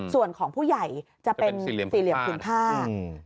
ส่วนของผู้ใหญ่จะเป็นสี่เหลี่ยมพื้นผ้า